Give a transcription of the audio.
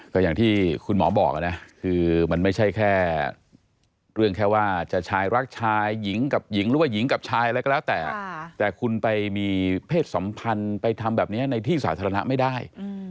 ก็อย่างที่คุณหมอบอกนะคือมันไม่ใช่แค่เรื่องแค่ว่าจะชายรักชายหญิงกับหญิงหรือว่าหญิงกับชายอะไรก็แล้วแต่แต่คุณไปมีเพศสัมพันธ์ไปทำแบบนี้ในที่สาธารณะไม่ได้